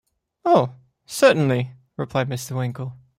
‘Oh, certainly,’ replied Mr. Winkle.